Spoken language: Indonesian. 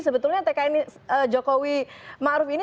sebetulnya tkn jokowi ma'ruf ini